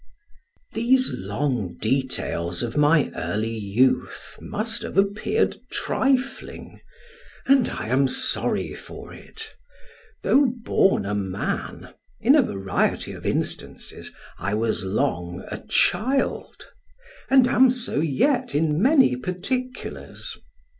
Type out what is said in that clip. These long details of my early youth must have appeared trifling, and I am sorry for it: though born a man, in a variety of instances, I was long a child, and am so yet in many particulars.